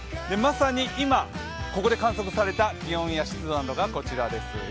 まさに今、ここで観測された気温や湿度がこちらです。